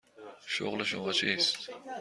شغل شما چیست؟